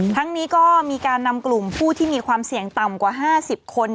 ทั้งนี้ก็มีการนำกลุ่มผู้ที่มีความเสี่ยงต่ำกว่า๕๐คน